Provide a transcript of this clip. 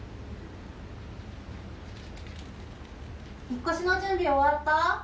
引っ越しの準備終わった？